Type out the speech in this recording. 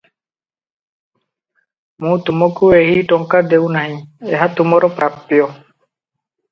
ମୁଁ ତୁମଙ୍କୁ ଏହି ଟଙ୍କା ଦେଉ ନାହିଁ- ଏହା ତୁମର ପ୍ରାପ୍ୟ!